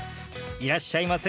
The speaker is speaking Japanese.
いらっしゃいませ。